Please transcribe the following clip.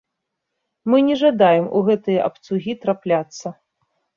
Мы не жадаем у гэтыя абцугі трапляцца.